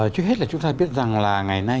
trước hết là chúng ta biết rằng là ngày nay